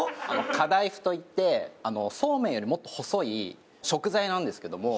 カダイフといってそうめんよりもっと細い食材なんですけども。